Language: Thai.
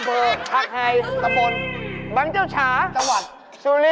โอ้โฮบางเจ้าชาอำเภอถักไห่